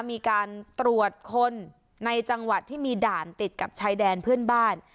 มีการตรวจคนในจังหวัดที่มีด่านติดกับชายแดนเพื่อนบ้าน